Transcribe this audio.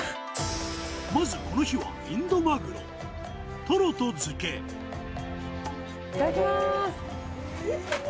まずこの日はインドマグロ。いただきます。